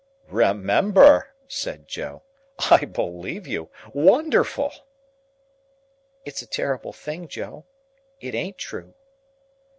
"Remember?" said Joe. "I believe you! Wonderful!" "It's a terrible thing, Joe; it ain't true."